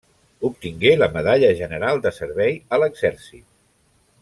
Obtingué la Medalla General de Servei a l'exèrcit.